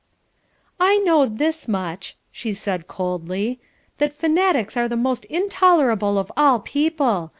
"I know this much," she said, coldly, "that fanatics are the most intolerable of all people.